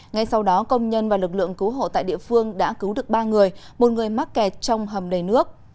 ngay sau đó công nhân và lực lượng cứu hộ tại địa phương đã cứu được ba người một người mắc kẹt trong hầm đầy nước